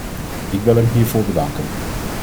Ik wil hem hiervoor bedanken.